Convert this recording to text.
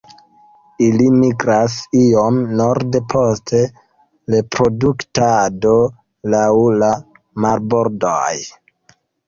Ili migras iom norde post reproduktado laŭ la marbordoj.